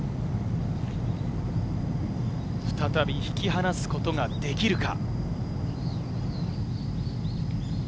再び引き離すことができるか。